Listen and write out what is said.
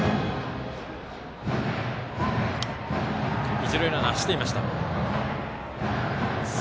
一塁ランナー走っていました。